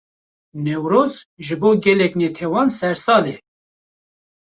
Newroz, ji bo gelek netewan sersal e